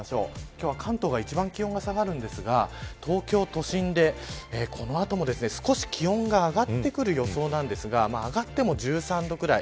今日は関東が一番気温が下がるんですが東京都心で、この後も少し気温が上がってくる予想なんですが上がっても１３度くらい。